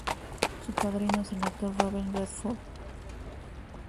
Su padrino es el actor Robert Redford.